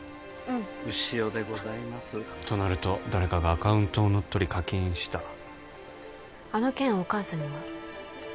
うん潮でございますとなると誰かがアカウントを乗っ取り課金したあの件お母さんには？